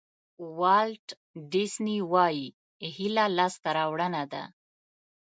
والټ ډیسني وایي هیله لاسته راوړنه ده.